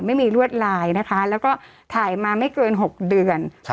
ไม่มีลวดลายนะคะแล้วก็ถ่ายมาไม่เกิน๖เดือน